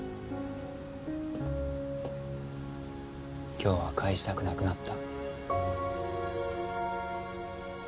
今日は帰したくなくなった。